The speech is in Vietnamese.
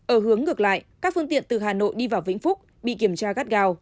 ở hướng ngược lại các phương tiện từ hà nội đi vào vĩnh phúc bị kiểm tra gắt gao